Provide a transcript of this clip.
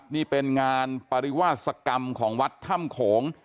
นี่เป็นงานปริวาสกรรมของวัดถ้ำโขง